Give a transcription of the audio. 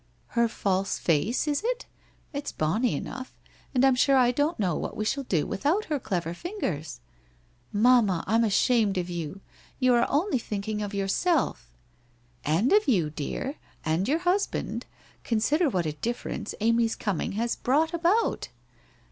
'Her false face, is it? Its bonny enough. And I'm sure I don't know what we shall do without her clever fingers.' ' Mamma, I'm ashamed of you. You are only thinking of yourself.' ' And of you, dear, and your husband. Consider what a difference Amy's coming has brought about?'